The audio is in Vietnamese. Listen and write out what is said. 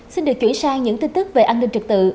xin được chuyển sang những tin tức về an ninh trật tự